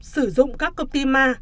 sử dụng các cục tim ma